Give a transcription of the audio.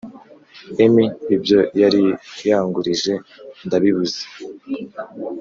emi ibyo yari yangurije ndabibuze